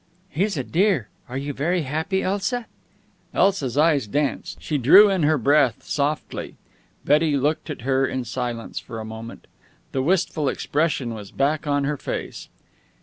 "He's a dear. Are you very happy, Elsa?" Elsa's eyes danced. She drew in her breath softly. Betty looked at her in silence for a moment. The wistful expression was back on her face.